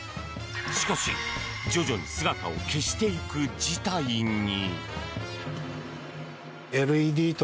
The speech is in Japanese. しかし徐々に姿を消していく事態に。